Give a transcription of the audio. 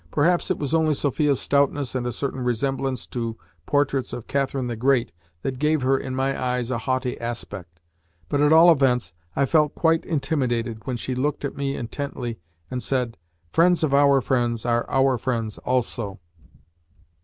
Perhaps it was only Sophia's stoutness and a certain resemblance to portraits of Catherine the Great that gave her, in my eyes, a haughty aspect, but at all events I felt quite intimidated when she looked at me intently and said, "Friends of our friends are our friends also."